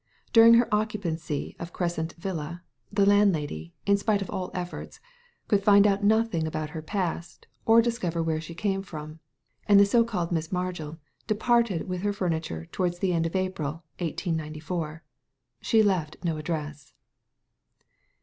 During her occupancy of Crescent Villa, the landlady, in spite of all efforts, could find out nothing about her past or discover where she came from; and the so called Miss Margil departed with her furniture towards the end of April, 1894. She left no address.